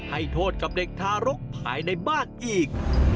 ให้โทษกับเด็กทารกภายในบ้านอีก